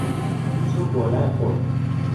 چووم بۆ لای خۆی.